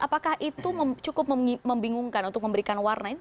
apakah itu cukup membingungkan untuk memberikan warna ini